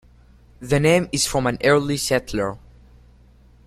The name is from an early settler.